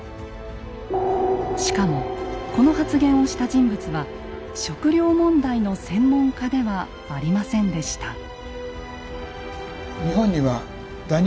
しかもこの発言をした人物は食糧問題の専門家ではありませんでした。